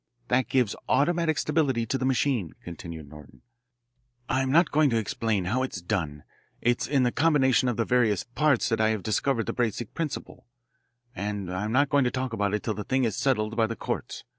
That gives automatic stability to the machine," continued Norton. "I'm not going to explain how it is done it is in the combination of the various parts that I have discovered the basic principle, and I'm not going to talk about it till the thing is settled by the courts.